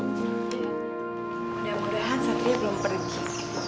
mudah mudahan sapi belum pergi